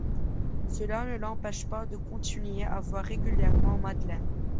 Cela ne l'empêche pas de continuer à voir régulièrement Madeleine.